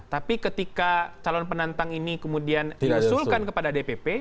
tapi ketika calon penantang ini kemudian diusulkan kepada dpp